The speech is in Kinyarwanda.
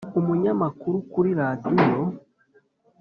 umunyamakuru kuri radiyo